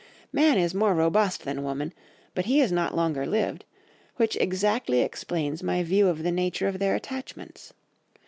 Man is more robust than woman, but he is not longer lived; which exactly explains my view of the nature of their attachments.